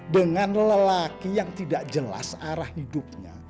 dengan lelaki yang tidak jelas arah hidupnya